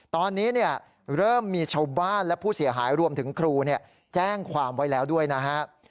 ตอนนี้เริ่มมีชาวบ้านและผู้เสียหายรวมถึงครูแจ้งความไว้แล้วด้วยนะฮะ